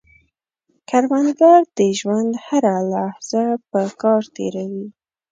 کروندګر د ژوند هره لحظه په کار تېروي